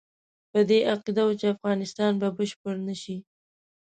په دې عقیده وو چې افغانستان به بشپړ نه شي.